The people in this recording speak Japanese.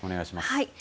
はい。